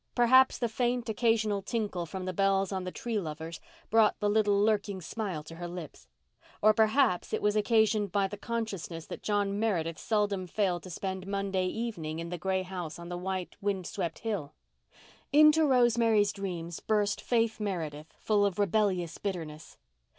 Perhaps the faint, occasional tinkle from the bells on the Tree Lovers brought the little lurking smile to her lips. Or perhaps it was occasioned by the consciousness that John Meredith seldom failed to spend Monday evening in the gray house on the white wind swept hill. Into Rosemary's dreams burst Faith Meredith full of rebellious bitterness.